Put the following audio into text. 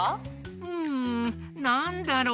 んなんだろう？